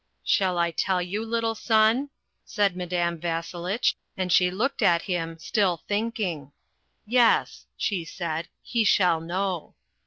"Shall I tell you, little son," said Madame Vasselitch, and she looked at him, still thinking. "Yes," she said, "he shall know.